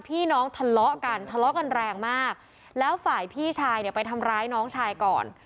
พี่น้องทะเลาะกันทะเลาะกันแรงมากแล้วฝ่ายพี่ชายเนี่ยไปทำร้ายน้องชายก่อน